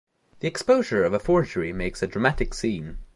The exposure of the forgery makes a dramatic scene.